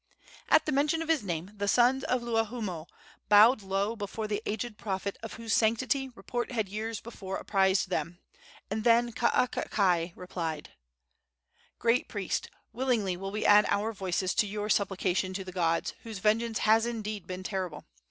At the mention of his name the sons of Luahoomoe bowed low before the aged prophet of whose sanctity report had years before apprised them, and then Kaakakai replied: "Great priest, willingly will we add our voices to your supplication to the gods, whose vengeance has indeed been terrible.